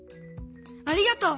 ありがとう！